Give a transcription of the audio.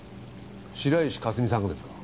白石佳澄さんがですか？